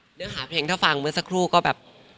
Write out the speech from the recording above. เนื้อหาเพลงถ้าฟังเมื่อสักครู่ก็แบบ